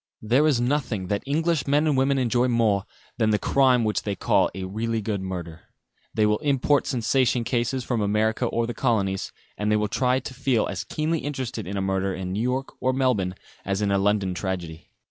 There is nothing that English men and women enjoy more than the crime which they call "a really good murder." They will import sensation cases from America or the colonies, and will try to feel as keenly interested in a murder in New York or Melbourne as in a London tragedy.